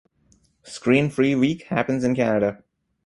Screen Free week happens in Canada.